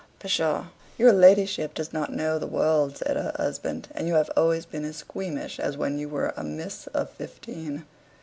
"Psha! your ladyship does not know the world," said her husband; "and you have always been as squeamish as when you were a miss of fifteen."